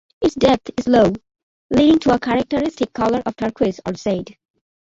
Its depth is low, leading to a characteristic colour of turquoise or jade.